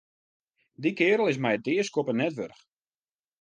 Dy keardel is my it deaskoppen net wurdich.